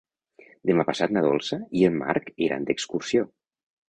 Demà passat na Dolça i en Marc iran d'excursió.